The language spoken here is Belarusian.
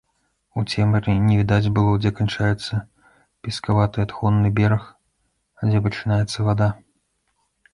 У цемры не відаць было, дзе канчаецца пескаваты адхонны бераг, а дзе пачынаецца вада.